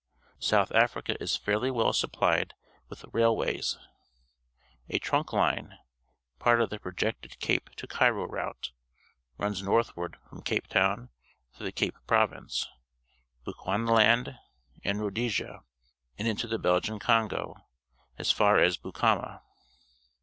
— South Africa is f airh^ well supplied with railways. A trunk line, part of the projected Cape to Cairo route, runs northward from Cape Town through the Cape Pro\'ince, Bechuanaland, and Rhodesia, and into the Belgian Congo as far as Bukama.